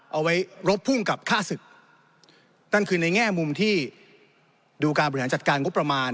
เอาไว้รบพุ่งกับค่าศึกนั่นคือในแง่มุมที่ดูการบริหารจัดการงบประมาณ